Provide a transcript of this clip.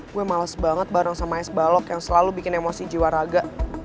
gue males banget bareng sama es balok yang selalu bikin emosi jiwa raga